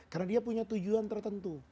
karena dia punya tujuan tertentu